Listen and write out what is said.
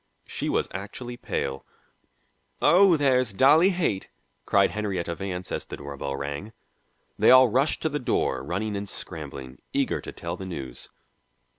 She was actually pale. "Oh, there's Dolly Haight!" cried Henrietta Vance as the door bell rang. They all rushed to the door, running and scrambling, eager to tell the news.